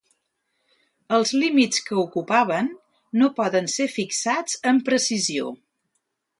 Els límits que ocupaven no poden ser fixats amb precisió.